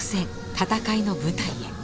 戦いの舞台へ。